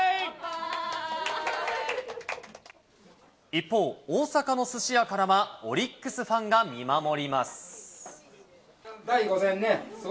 一方、大阪のすし屋からは、オリックスファンが見守ります。